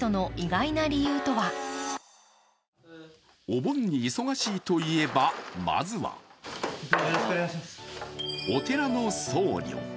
お盆に忙しいといえば、まずはお寺の僧侶。